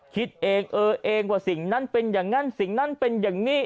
คิดเองเออเองว่าสิ่งนั้นเป็นอย่างนั้นสิ่งนั้นเป็นอย่างนี้